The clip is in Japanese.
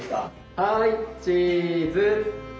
はいチーズ。